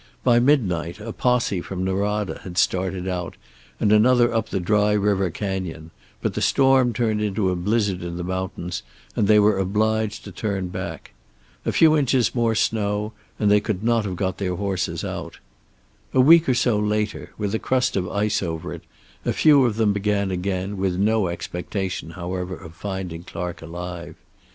By midnight a posse from Norada had started out, and another up the Dry River Canyon, but the storm turned into a blizzard in the mountains, and they were obliged to turn back. A few inches more snow, and they could not have got their horses out. A week or so later, with a crust of ice over it, a few of them began again, with no expectation, however, of finding Clark alive.